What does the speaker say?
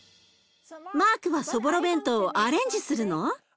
マークはそぼろ弁当をアレンジするの？